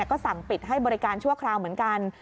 ก็สั่งปิดให้บริการชั่วคราวเหมือนกัน